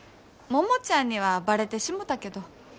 桃ちゃんにはバレてしもたけど。